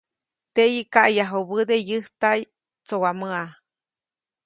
Teʼyi, kaʼyajubäde yäjtaʼy tsowamäʼa.